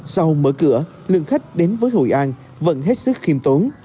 sau mở cửa lượng khách đến với hội an vẫn hết sức khiêm tốn